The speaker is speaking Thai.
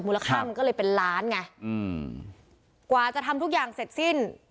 ลค่ามันก็เลยเป็นล้านไงอืมกว่าจะทำทุกอย่างเสร็จสิ้น